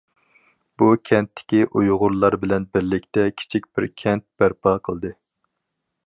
بۇ كەنتتىكى ئۇيغۇرلار بىلەن بىرلىكتە كىچىك بىر كەنت بەرپا قىلدى.